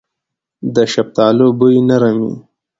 د شفتالو بوی نرم وي.